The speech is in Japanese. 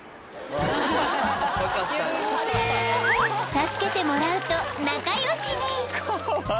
［助けてもらうと仲良しに］